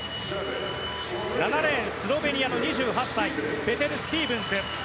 ７レーン、スロベニアの２８歳ぺテル・スティーブンス。